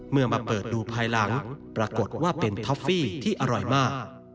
เมื่อมาเปิดดูภายหลังปรากฏว่าเป็นท็อฟฟี่ที่อร่อยมาก